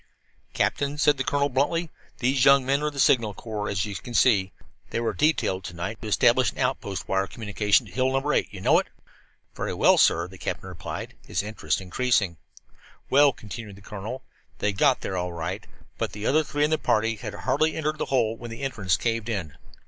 "Captain," said the colonel bluntly, "these young men are of the Signal Corps, as you you can see. They were detailed to night to establish an outpost wire communication to Hill No. 8. You know it?" "Very well, sir," the captain replied, his interest increasing. "Well," continued the colonel, "they got there all right. But the other three in the party had hardly entered that hole when the entrance caved in."